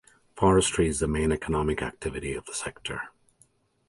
Forestry is the main economic activity of the sector.